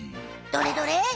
どれどれ？